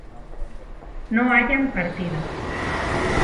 no hayan partido